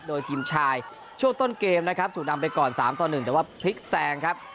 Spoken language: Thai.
โดยทีมชายช่วงต้นเกมนะครับถูกนำไปก่อน๓ต่อ๑แต่ว่าพลิกแซงครับ